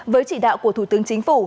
với chỉ đạo của thủ tướng chính phủ